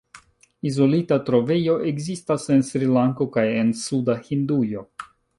Izolita trovejo ekzistas en Srilanko kaj en suda Hindujo.